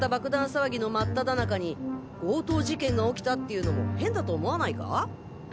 騒ぎの真っただ中に強盗事件が起きたっていうのも変だと思わないか？